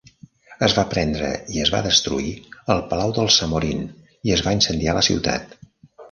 Es va prendre i es va destruir el palau dels Zamorin i es va incendiar la ciutat.